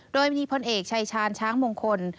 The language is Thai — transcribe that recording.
โดยมีพลเอกชายชาญช้างมงคล